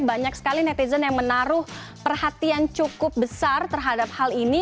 banyak sekali netizen yang menaruh perhatian cukup besar terhadap hal ini